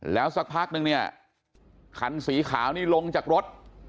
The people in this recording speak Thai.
แล้วสักพักนึงเนี่ยคันสีขาวนี่ลงจากรถ